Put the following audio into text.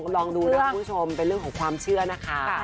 ลองดูนะคุณผู้ชมเป็นเรื่องของความเชื่อนะคะ